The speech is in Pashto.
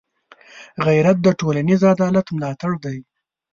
غیرت د ټولنيز عدالت ملاتړی دی